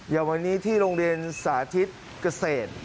อย่างวันนี้ที่โรงเรียนสาธิตเกษตร